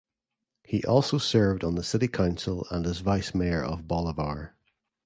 He also served on the city council and as Vice Mayor of Bolivar.